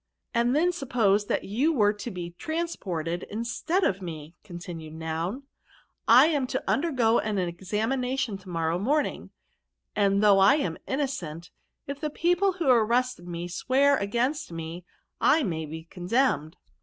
''* And then suppose that you were to be transported instead of me/ continued Noun^ * I am to 'Undergo an examination to morrow morning ; and though I am innocent, if the pe<^le who arrested me swear against me, I may be condemned